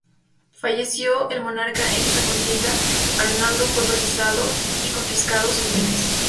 Fallecido el monarca en esta contienda, Arnaldo fue procesado y confiscados sus bienes.